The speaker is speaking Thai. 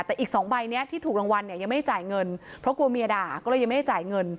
แต่อีก๒ใบนี้ที่ถูกรางวัลเนี่ยยังไม่ได้จ่ายเงินเพราะกลัวเมียด่าก็เลยยังไม่ได้จ่ายเงิน